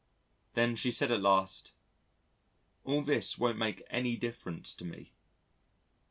Then she said at last: "All this won't make any difference to me."